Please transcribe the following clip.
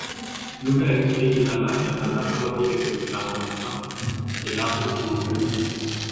Lugha ya Kiswahili ina lahaja kadhaa kama vile Kimtang'ata, Kilamu, Kimvita